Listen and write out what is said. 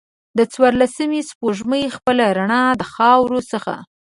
د څوارلسمې سپوږمۍ خپله روڼا د خاورو څخه